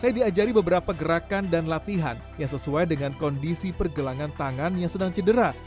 saya diajari beberapa gerakan dan latihan yang sesuai dengan kondisi pergelangan tangan yang sedang cedera